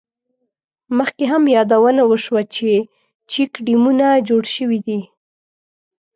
مخکې هم یادونه وشوه، چې چیک ډیمونه جوړ شوي دي.